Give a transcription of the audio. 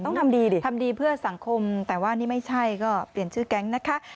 ต้องทำดีดิทำดีเพื่อสังคมแต่ว่านี่ไม่ใช่ก็เปลี่ยนชื่อแก๊งนะคะ